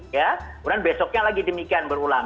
kemudian besoknya lagi demikian berulang